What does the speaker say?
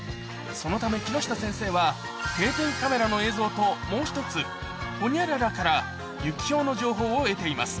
そのため、木下先生は定点カメラの映像ともう一つ、ホニャララからユキヒョウの情報を得ています。